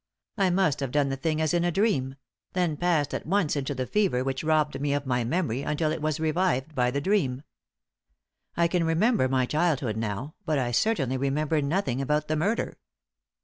I must have done the thing as in a dream; then passed at once into the fever which robbed me of my memory until it was revived by the dream. I can remember my childhood now, but I certainly remember nothing about the murder.